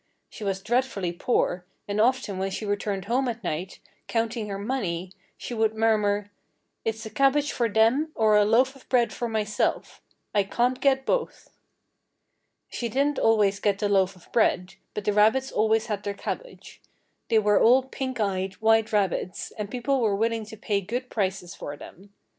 She was dreadfully poor, and often when she returned home at night, counting her money, she would murmur: "It's a cabbage for them or a loaf of bread for myself. I can't get both." She didn't always get the loaf of bread, but the rabbits always had their cabbage. They were all pink eyed, white rabbits, and people were willing to pay good prices for them.